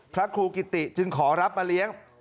พระครูกิติจึงขอรับมาเลี้ยง